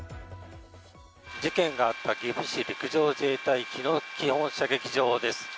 事件があった岐阜市陸上自衛隊日野基本射撃場です。